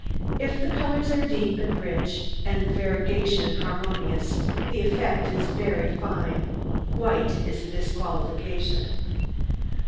If the colours are deep and rich, and the variegation harmonious, the effect is very fine. White is a disqualification.